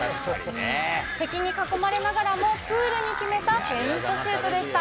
敵に囲まれながらも、クールに決めたフェイントシュートでした。